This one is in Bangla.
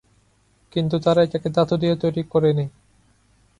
কিন্তু, তারা এটাকে ধাতু দিয়ে তৈরি করেনি।